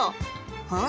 うん。